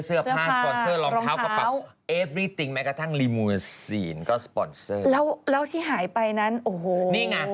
หรืออย่างชิดทุกอย่าง